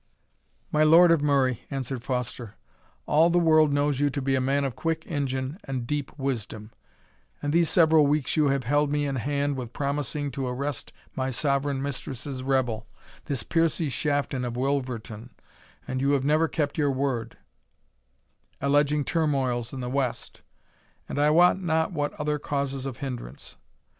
"My Lord of Murray," answered Foster, "all the world knows you to be a man of quick ingine and deep wisdom, and these several weeks you have held me in hand with promising to arrest my sovereign mistress's rebel, this Piercie Shafton of Wilverton, and you have never kept your word, alleging turmoils in the west, and I wot not what other causes of hinderance.